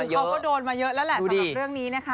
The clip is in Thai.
เขาก็โดนมาเยอะแล้วแหละสำหรับเรื่องนี้นะคะ